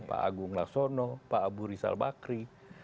pak agung laksono pak abu rizal bakri